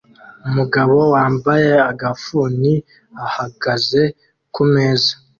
Umugabo wambaye agafuni ahagaze kumeza